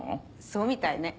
そうみたいね。